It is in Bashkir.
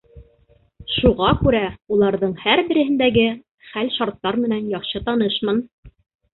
Шуға күрә уларҙың һәр береһендәге хәл-шарттар менән яҡшы танышмын.